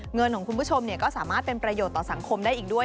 เงินของคุณผู้ชมก็สามารถเป็นประโยชน์ต่อสังคมได้อีกด้วย